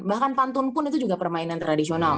bahkan pantun pun itu juga permainan tradisional